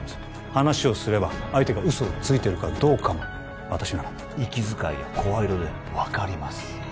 話をすれば相手が嘘をついてるかどうかも私なら息遣いや声色で分かります